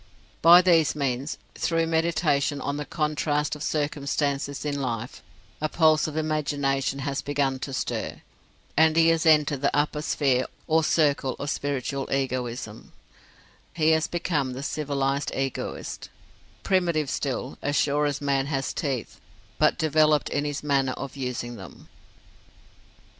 By these means, through meditation on the contrast of circumstances in life, a pulse of imagination has begun to stir, and he has entered the upper sphere or circle of spiritual Egoism: he has become the civilized Egoist; primitive still, as sure as man has teeth, but developed in his manner of using them.